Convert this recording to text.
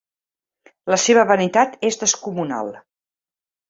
La seva vanitat és descomunal.